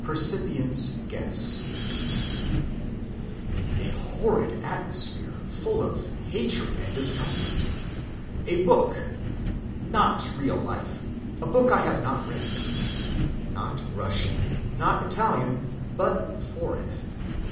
Percipient's guess: "A horrid atmosphere, full of hatred and discomfort. A book, not real life. A book I have not read. Not Russian, not Italian, but foreign.